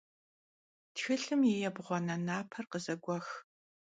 Txılhım yi yêbğuane naper khızeguex.